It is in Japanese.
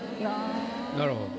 なるほど。